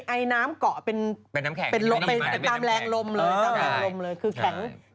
ไอ้น้ำเกาะเป็นตามแรงลมเลย